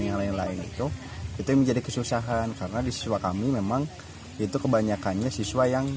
yang lain lain itu itu menjadi kesusahan karena di siswa kami memang itu kebanyakannya siswa yang